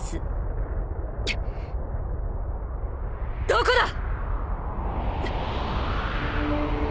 どこだ！？